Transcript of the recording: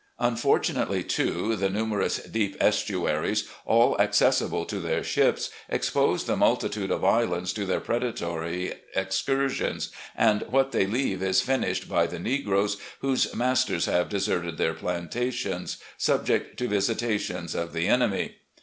Unfortunately, too, the numerous deep estu aries, aU accessible to their ships, expose the multitude of islands to their predatory excursions, and what they leave is finished by the negroes whose masters have deserted their plantations, subject to visitations of the enemy.